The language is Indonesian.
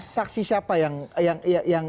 saksi siapa yang